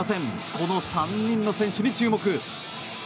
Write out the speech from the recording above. この３人の選手に注目。